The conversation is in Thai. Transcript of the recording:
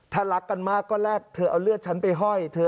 ถ้ารักกันมากก็แลกเธอเอาเลือดฉันไปห้อยเธอ